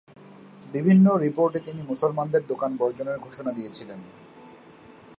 বিভিন্ন রিপোর্টে তিনি মুসলমানদের দোকান বর্জনের ঘোষণাদিয়েছিলেন।